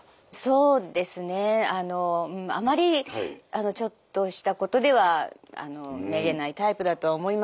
そうですねあまりちょっとしたことではめげないタイプだとは思いますけれども。